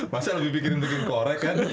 masa lebih mikirin bikin korek kan